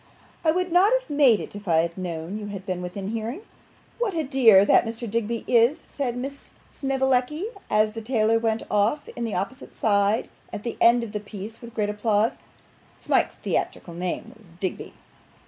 'I would not have made it if I had known you had been within hearing.' 'What a dear that Mr. Digby is!' said Miss Snevellicci, as the tailor went off on the opposite side, at the end of the piece, with great applause. (Smike's theatrical name was Digby.)